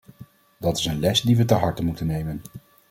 Dat is een les die we ter harte moeten nemen.